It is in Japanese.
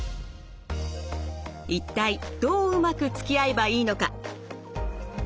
一体どううまくつきあえばいいのか。